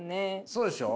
そうでしょ？